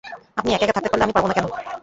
আপনি এক-একা থাকতে পারলে আমি পারব না কেন?